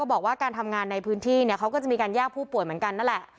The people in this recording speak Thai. บอกว่าการทำงานในพื้นที่เนี่ยเขาก็จะมีการแยกผู้ป่วยเหมือนกันนั่นแหละ